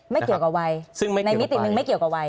ไม่เกี่ยวกับวัยซึ่งในมิติหนึ่งไม่เกี่ยวกับวัย